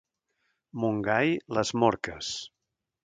Montgai, les morques.